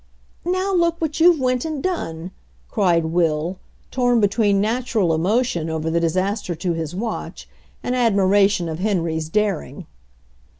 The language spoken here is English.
"Now look what you've went and done !" cried Will, torn between natural emotion over the dis aster to his watch and admiration of Henry's daring.